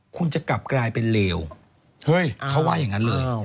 คุณจะกลับกลายเป็นแรว